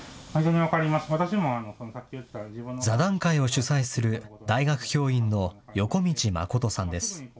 主催する大学教員の横道誠さんです。